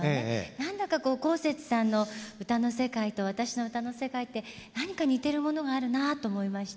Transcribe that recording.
何だかこうこうせつさんの歌の世界と私の歌の世界って何か似てるものがあるなっと思いまして。